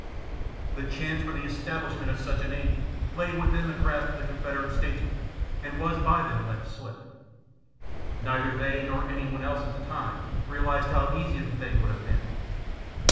The chance for the establishment of such a navy lay within the grasp of the Confederate statesmen, and was by them let slip. Neither they, nor any one else at the time, realized how easy the thing would have been.